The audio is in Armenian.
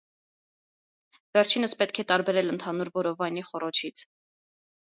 Վերջինս պետք է տարբերել ընդհանուր որովայնի խոռոչից։